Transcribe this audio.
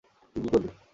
তুই কী করবি?